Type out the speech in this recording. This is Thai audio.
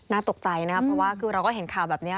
ตกใจนะครับเพราะว่าคือเราก็เห็นข่าวแบบนี้